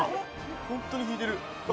本当に弾いてる。